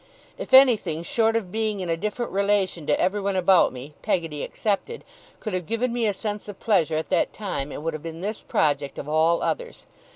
If anything, short of being in a different relation to every one about me, Peggotty excepted, could have given me a sense of pleasure at that time, it would have been this project of all others.